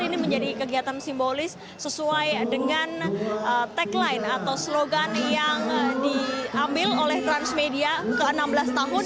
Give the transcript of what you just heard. ini menjadi kegiatan simbolis sesuai dengan tagline atau slogan yang diambil oleh transmedia ke enam belas tahun